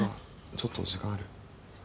ちょっと時間ある？